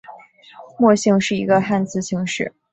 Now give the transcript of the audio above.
莫姓是一个汉字姓氏。